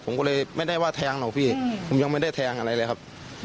ผมก็เลยไม่ได้ว่าแทงหรอกพี่ผมยังไม่ได้แทงอะไรเลยครับ